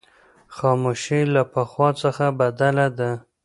خاموشي له پخوا څخه بدله ده.